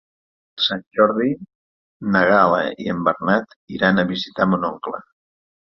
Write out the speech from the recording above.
Per Sant Jordi na Gal·la i en Bernat iran a visitar mon oncle.